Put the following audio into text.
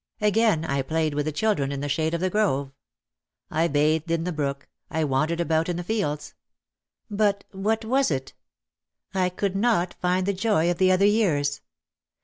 Again I played with the children in the shade of the grove. I bathed in the brook, I wandered about in the fields. But what was it ? I could not find the joy of the other years.